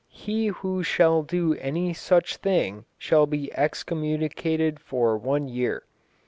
He who shall do any such thing shall be excommunicated for one year."